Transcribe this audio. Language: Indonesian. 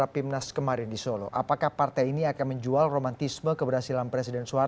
budi adibutro cnn indonesia